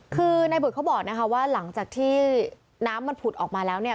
คือในบุตรเขาบอกนะคะว่าหลังจากที่น้ำมันผุดออกมาแล้วเนี่ย